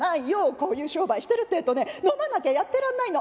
こういう商売してるってえとね飲まなきゃやってらんないの。